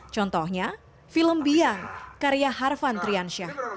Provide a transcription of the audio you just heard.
contohnya film biang karya harvan triansyah